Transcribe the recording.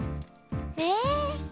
え？